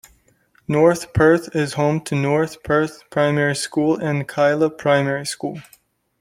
North Perth is home to North Perth Primary School and Kyilla Primary School.